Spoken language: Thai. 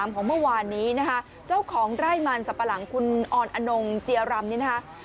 กลางไร่มันสับปะหลังคุณอ่อนอนงเจียรำนี่นะครับ